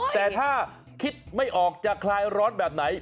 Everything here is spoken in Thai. แต่ถ้าคิดไม่ออกจะคลายร้อนแบบไหน